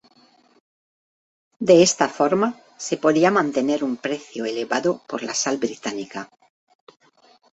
De esta forma se podía mantener un precio elevado por la sal británica.